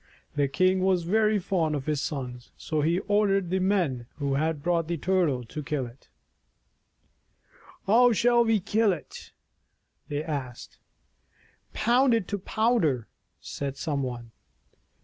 The king was very fond of his sons, so he ordered the men who had brought the Turtle to kill it. "How shall we kill it?" they asked. IP HOW THE TURTLE SAVED HIS LIFE "Pound it to powder," said some one.